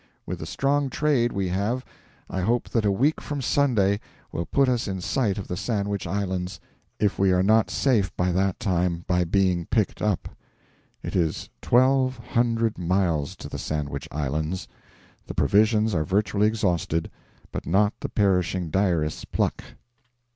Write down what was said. With the strong trade we have, I hope that a week from Sunday will put us in sight of the Sandwich Islands, if we are not safe by that time by being picked up. It is twelve hundred miles to the Sandwich Islands; the provisions are virtually exhausted, but not the perishing diarist's pluck.